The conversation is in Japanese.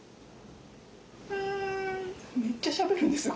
めっちゃしゃべるんですよ